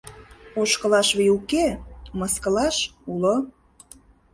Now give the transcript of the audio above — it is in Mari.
Ошкылаш вий уке, мыскылаш — уло.